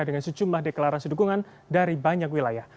dengan sejumlah deklarasi dukungan dari banyak wilayah